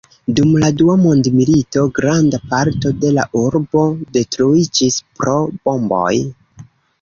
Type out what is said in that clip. Dum la dua mondmilito granda parto de la urbo detruiĝis pro bomboj.